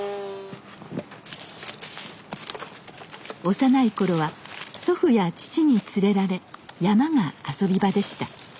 幼い頃は祖父や父に連れられ山が遊び場でした。